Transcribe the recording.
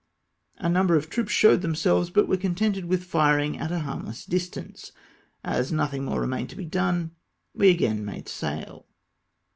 A number of troops showed themselves, but were contented with firing at a harm less distance. As nothing more remained to be done, we again made sail.